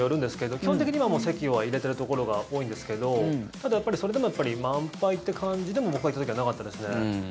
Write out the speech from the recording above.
基本的にはもう席は入れているところが多いんですけどただ、やっぱりそれでも満杯っていう感じでも僕が行った時はなかったですね。